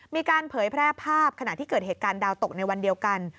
เผยแพร่ภาพขณะที่เกิดเหตุการณ์ดาวตกในวันเดียวกัน